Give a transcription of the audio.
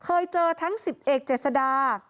เคยเจอทั้ง๑๐เอกเจษดา